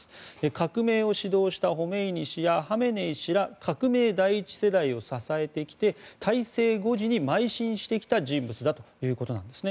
革命を指導したホメイニ師やハメネイ師ら革命第１世代を支えてきて体制護持にまい進してきた人物だということです。